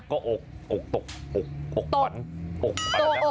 ก็อกอกตกอกขวัญ